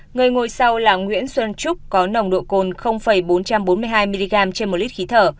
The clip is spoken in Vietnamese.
người ngồi sau là nguyễn xuân trúc có nồng độ cồn bốn trăm bốn mươi hai mg trên một lít khí thở